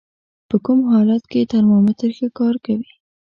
په کوم حالت کې ترمامتر ښه کار کوي؟